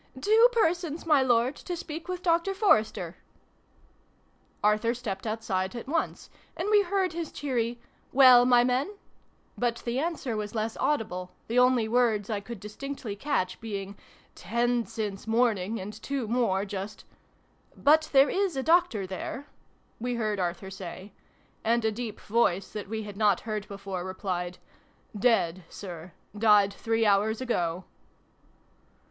" Two persons, my Lord, to speak with Dr. Forester." Arthur stepped outside at once, and we heard his cheery " Well, my men ?" but the answer was less audible, the only words I could dis tinctly catch being " ten since morning, and two more just '' But there is a doctor there ?" we heard Arthur say : and a deep voice, that we had not heard before, replied " Dead, Sir. Died three hours ago."